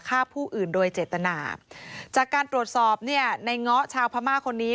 ฆ่าผู้อื่นโดยเจตนาจากการตรวจสอบเนี่ยในเงาะชาวพม่าคนนี้